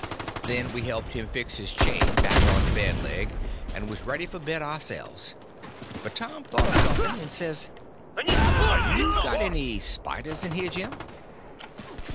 Then we helped him fix his chain back on the bed leg, and was ready for bed ourselves. But Tom thought of something, and says: "You got any spiders in here, Jim?"